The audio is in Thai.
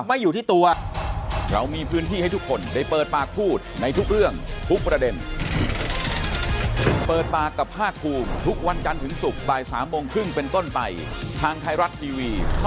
ไม่อยู่ที่ตัว